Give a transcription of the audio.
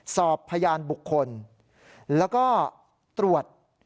สอบพยานบุคคลแล้วก็ตรวจ